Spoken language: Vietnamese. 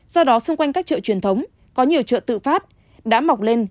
do đó xung quanh các chợ truyền thống có nhiều chợ tự phát đã mọc lên